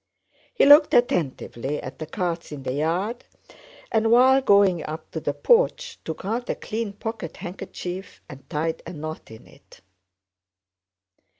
He looked attentively at the carts in the yard and while going up to the porch took out a clean pocket handkerchief and tied a knot in it.